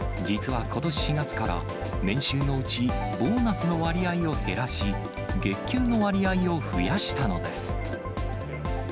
実はことし４月から年収のうち、ボーナスの割合を減らし、月給の割合を増やしたのです。